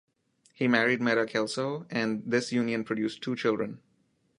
He married Meda Kelso and this union produced two children.